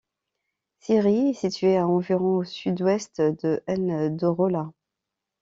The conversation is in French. Siri est situé à environ au sud-ouest de N'Dorola.